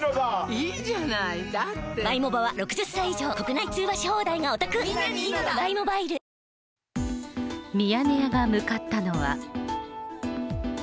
いいじゃないだってミヤネ屋が向かったのは。